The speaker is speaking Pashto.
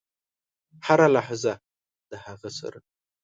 هره لحظه د هغه سره .